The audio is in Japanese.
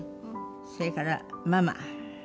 それからママ。